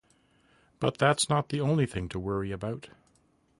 But that's not the only thing to worry about.